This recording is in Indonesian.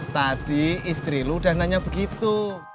tadi istri lu udah nanya begitu